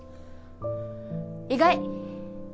意外！